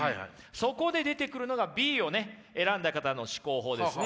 そこで出てくるのがＢを選んだ方の思考法ですね。